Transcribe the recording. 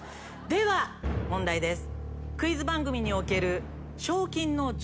では問題です。